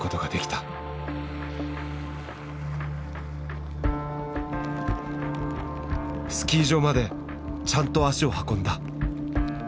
スキー場までちゃんと足を運んだ。